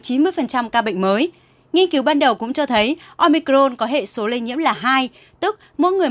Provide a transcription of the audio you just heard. ca bệnh mới nghiên cứu ban đầu cũng cho thấy omicron có hệ số lây nhiễm là hai tức mỗi người